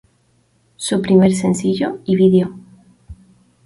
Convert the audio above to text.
Su primer sencillo y video.